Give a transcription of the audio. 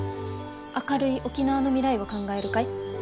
「明るい沖縄の未来を考える会」。